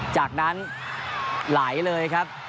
จากนั้นไหลเลยครับ